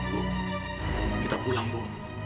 bu kita pulang bu